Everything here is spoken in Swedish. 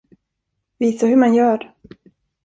Visa hur man gör.